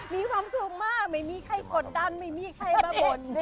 มีความสุขมากไม่มีใครกดดันไม่มีใครมาบ่น